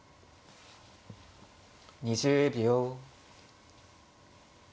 ２０秒。